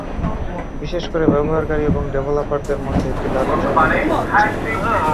বিশেষ করে ব্যবহারকারী এবং ডেভেলপারদের মধ্যে একটি দারুণ সম্পর্ক তৈরি হচ্ছে।